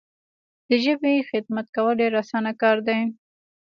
د ژبي خدمت کول ډیر اسانه کار دی.